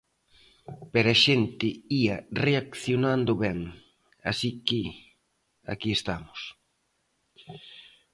Pero a xente ía reaccionando ben, así que aquí estamos.